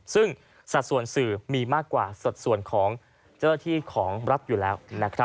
ซึ่งสัดส่วนสื่อมีมากกว่าสัดส่วนของเจ้าหน้าที่ของรัฐอยู่แล้ว